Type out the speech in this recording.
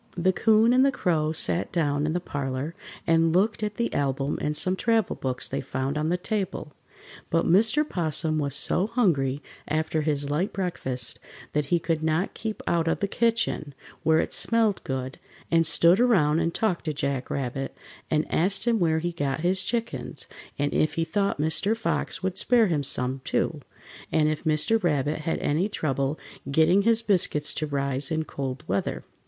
The 'Coon and the Crow sat down in the parlor, and looked at the album and some travel books they found on the table, but Mr. 'Possum was so hungry after his light breakfast that he could not keep out of the kitchen, where it smelled good, and stood around and talked to Jack Rabbit, and asked him where he got his chickens, and if he thought Mr. Fox would spare him some, too, and if Mr. Rabbit had any trouble getting his biscuits to rise in cold weather.